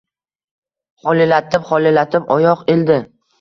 Xolilatib-xolilatib oyoq ildi.